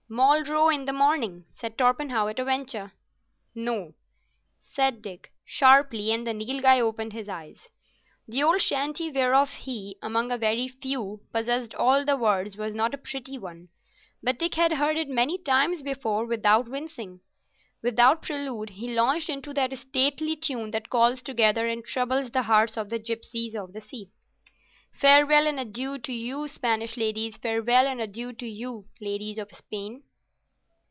""Moll Roe in the Morning,"' said Torpenhow, at a venture. "No," said Dick, sharply, and the Nilghai opened his eyes. The old chanty whereof he, among a very few, possessed all the words was not a pretty one, but Dick had heard it many times before without wincing. Without prelude he launched into that stately tune that calls together and troubles the hearts of the gipsies of the sea— "Farewell and adieu to you, Spanish ladies, Farewell and adieu to you, ladies of Spain."